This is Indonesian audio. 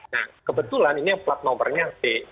nah kebetulan ini yang plat nomornya c